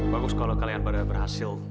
bagus kalau kalian berhasil